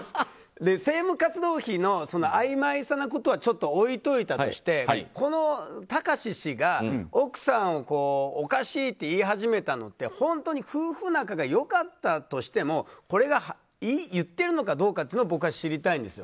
政務活動費のあいまいさのことはちょっと置いておいたとして貴志氏が奥さんをおかしいって言い始めたのって本当に夫婦仲が良かったとしても言っているのかどうかを知りたいんですよ。